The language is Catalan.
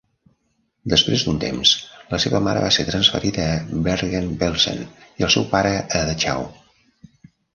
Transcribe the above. Després d'un temps, la seva mare va ser transferida a Bergen-Belsen i el seu pare a Dachau.